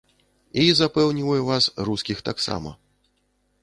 І, запэўніваю вас, рускіх таксама.